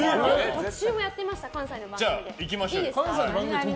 特集もやってました関西の番組で。